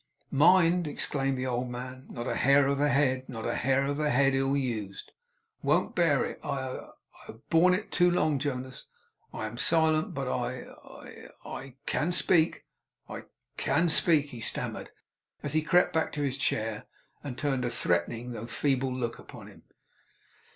'Mind!' exclaimed the old man. 'Not a hair of her head! not a hair of her head ill used! I won't bear it. I I have borne it too long Jonas. I am silent, but I I I can speak. I I I can speak ' he stammered, as he crept back to his chair, and turned a threatening, though a feeble, look upon him.